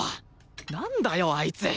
なんだよあいつ！